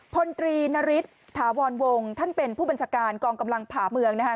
พลตรีนฤทธาวรวงท่านเป็นผู้บัญชาการกองกำลังผ่าเมืองนะคะ